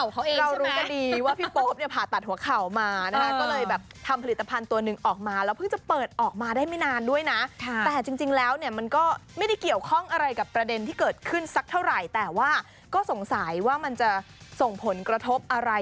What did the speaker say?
เขาบอกว่ารักษาหัวเข่าเขาเองใช่ไหมอย่างที่เรารู้กันดี